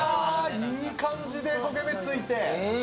いい感じで焦げ目ついて。